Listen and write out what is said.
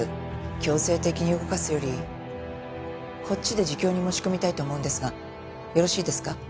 強制的に動かすよりこっちで自供に持ち込みたいと思うんですがよろしいですか？